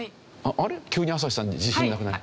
急に朝日さん自信なくない？